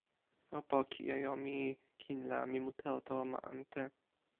o poki e jo mi. kin la mi mute o tawa ma ante.